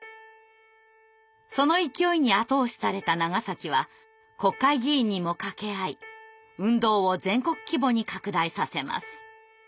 その勢いに後押しされた長は国会議員にも掛け合い運動を全国規模に拡大させます。